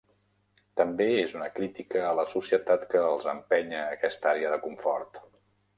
També és una crítica a la societat que els empeny a aquesta àrea de confort.